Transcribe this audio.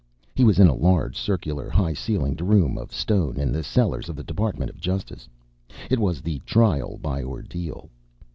He was in a large, circular, high ceilinged room of stone in the cellars of the Department of Justice. It was the Trial by Ordeal.